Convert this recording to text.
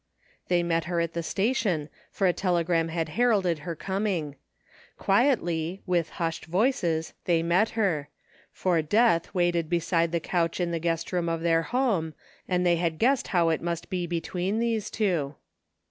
They met her at the station, for a telegram had heralded her coming. Quietly, with hushed voices, they met her; for death waited beside the couch in the guest room of their home, and they had guessed how it must be between these two.